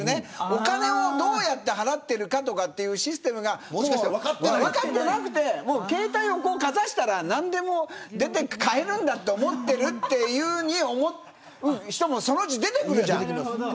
お金をどうやって払ってるかというシステムが分かっていなくて携帯をかざしたら何でも買えるんだと思っているというふうに思ってる人もそのうち出てくるじゃない。